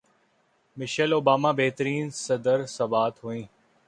Michel Obama بہترین صدر ثابت ہوں گی